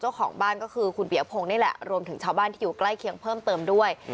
เจ้าของบ้านก็คือคุณปียพงศ์นี่แหละรวมถึงชาวบ้านที่อยู่ใกล้เคียงเพิ่มเติมด้วย